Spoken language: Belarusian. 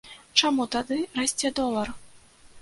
Чаму тады расце долар?